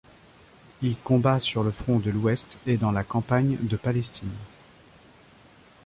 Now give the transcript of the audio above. Il combat sur le front de l'Ouest et dans la campagne de Palestine.